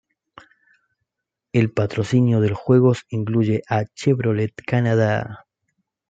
El patrocinio de los juegos incluye a Chevrolet Canadá.